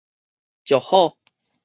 石虎